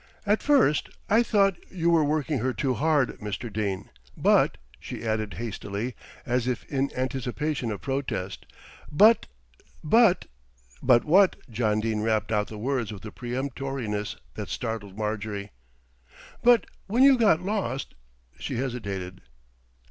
"At first I thought you were working her too hard, Mr. Dene, but," she added hastily, as if in anticipation of protest, "but but " "But what?" John Dene rapped out the words with a peremptoriness that startled Marjorie. "But when you got lost " She hesitated.